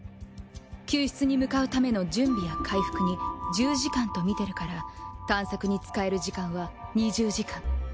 救出に向かうための準備や回復に１０時間とみてるから探索に使える時間は２０時間。